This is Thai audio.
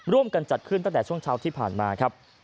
จัดขึ้นตั้งแต่ช่วงเช้าที่ผ่านมาครับ